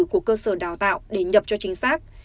của cơ sở đào tạo để nhập cho chính xác